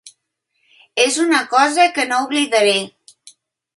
És una cosa que no oblidaré.